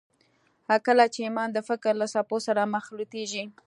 کله چې ایمان د فکر له څپو سره مخلوطېږي